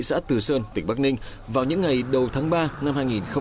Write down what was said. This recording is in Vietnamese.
đầu tháng ba năm hai nghìn hai mươi